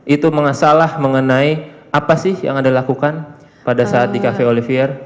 itu mengasahlah mengenai apa sih yang anda lakukan pada saat di cafe olivier